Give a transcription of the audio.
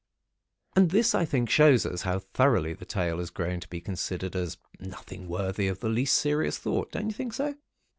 And this, I think, shows us how thoroughly the tale had grown to be considered as nothing worthy of the least serious thought. Don't you think so?